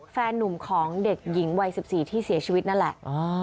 แฟนนุ่มของเด็กหญิงวัย๑๔ที่เสียชีวิตนั่นแหละ